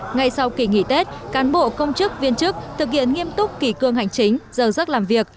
ngay sau kỳ nghỉ tết cán bộ công chức viên chức thực hiện nghiêm túc kỳ cương hành chính giờ giấc làm việc